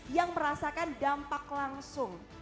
yang merasakan dampak langsung